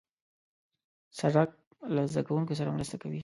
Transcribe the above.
سړک له زدهکوونکو سره مرسته کوي.